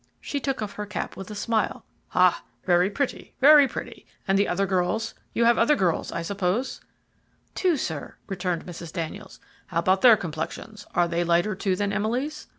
She took off her cap with a smile. "Ha, very pretty, very pretty. And the other girls? You have other girls I suppose?" "Two, sir;" returned Mrs. Daniels. "How about their complexions? Are they lighter too than Emily's?"